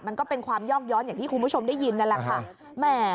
มันก็เป็นความยอกย้อนอย่างที่คุณผู้ชมได้ยินนั่นแหละค่ะ